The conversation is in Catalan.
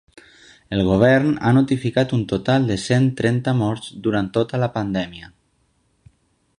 El govern ha notificat un total de cent trenta morts durant tota la pandèmia.